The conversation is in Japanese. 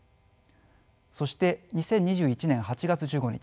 そして２０２１年８月１５日